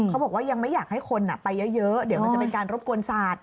เขาบอกว่ายังไม่อยากให้คนไปเยอะเดี๋ยวมันจะเป็นการรบกวนศาสตร์